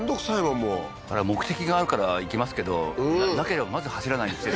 もうこれは目的があるから行きますけどなければまず走らない道ですよね